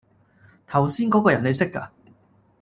頭先嗰個人你識㗎？